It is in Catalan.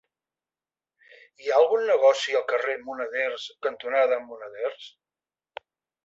Hi ha algun negoci al carrer Moneders cantonada Moneders?